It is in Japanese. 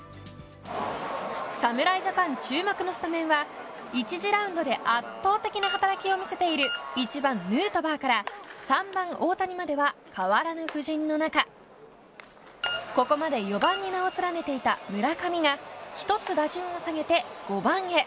侍ジャパン注目のスタメンは１次ラウンドで圧倒的な働きを見せている１番ヌートバーから３番大谷までは変わらぬ布陣の中ここまで４番に名を連ねていた村上が１つ打順を下げて５番へ。